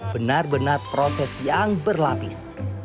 benar benar proses yang berlapis